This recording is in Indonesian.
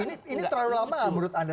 ini terlalu lama gak menurut anda